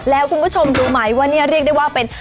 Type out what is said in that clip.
แล้วคุณผู้ชมรู้ไหมว่าเนี่ยเรียกได้ว่าเป็น